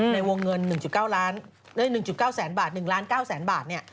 ในวงเงิน๑๙ล้าน๑๙แสนบาท